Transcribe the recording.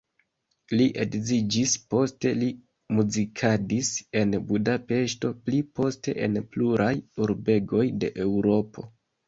Li edziĝis, poste li muzikadis en Budapeŝto, pli poste en pluraj urbegoj de Eŭropo.